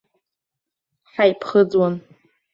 Ҳаиԥхыӡуан.